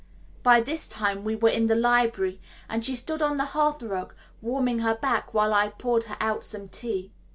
By this time we were in the library, and she stood on the hearth rug warming her back while I poured her out some tea.